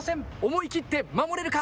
思い切って守れるか。